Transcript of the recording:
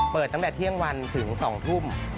ตั้งแต่เที่ยงวันถึง๒ทุ่ม